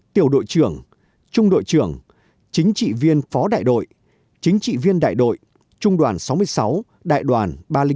tiểu đội trưởng trung đội trưởng chính trị viên phó đại đội chính trị viên đại đội trung đoàn sáu mươi sáu đại đoàn ba trăm linh bốn